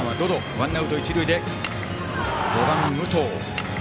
ワンアウト、一塁で５番の武藤。